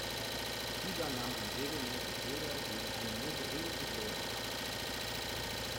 Dieser nahm ihm regelmäßig Bilder gegen eine nur geringe Entlohnung ab.